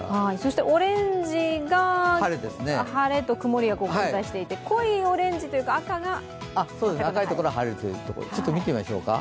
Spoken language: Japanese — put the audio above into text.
オレンジが晴れと曇りが混在していて濃いオレンジというか、赤が赤いところは晴れる、ちょっと見てみましょうか。